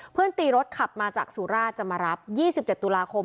ตีรถขับมาจากสุราชจะมารับ๒๗ตุลาคม